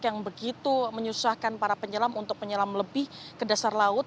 yang begitu menyusahkan para penyelam untuk penyelam lebih ke dasar laut